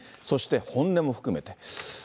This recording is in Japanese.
そして本音も含めて。